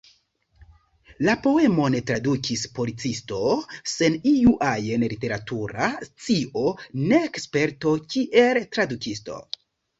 La poemon tradukis policisto sen iu ajn literatura scio nek sperto kiel tradukisto.